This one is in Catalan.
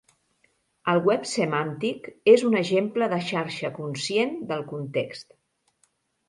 El Web semàntic és un exemple de xarxa conscient del context.